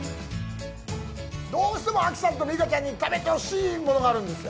どうしても亜紀さんと美佳ちゃんに食べてほしいものがあるんですよ。